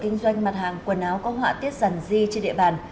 kinh doanh mặt hàng quần áo có họa tiết rằn di trên địa bàn